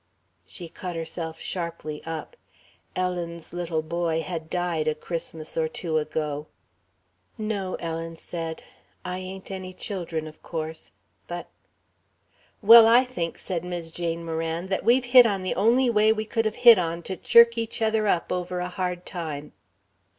She caught herself sharply up. Ellen's little boy had died a Christmas or two ago. "No," Ellen said, "I ain't any children, of course. But " "Well, I think," said Mis' Jane Moran, "that we've hit on the only way we could have hit on to chirk each other up over a hard time."